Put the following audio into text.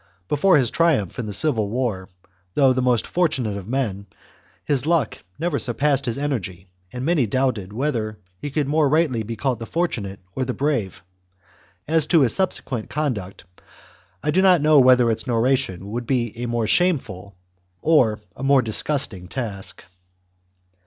Before his triumph in the civil war, though the most fortun ate of men, his luck never surpassed his energy, and many doubted whether he could more rightly be called the fortunate or the brave. As to his sub sequent conduct I do not know v/hether its narration would be a more shameful or a more disgusting task.